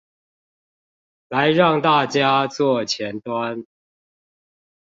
來讓大家做前端